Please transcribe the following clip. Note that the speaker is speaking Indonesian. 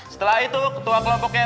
setelah itu ketua kelompoknya